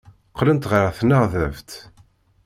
Qqlent ɣer tnerdabt.